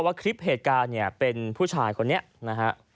ว่าคลิปเหตุการณ์เนี่ยเป็นผู้ชายคนนี้นะฮะ